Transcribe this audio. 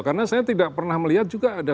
karena saya tidak pernah melihat juga ada